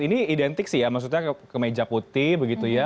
ini identik sih ya maksudnya kemeja putih begitu ya